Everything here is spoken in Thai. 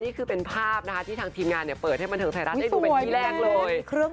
นี่คือเป็นภาพนะคะที่ทางทีมงานเปิดให้บันเทิงไทยรัฐได้ดูเป็นที่แรกเลย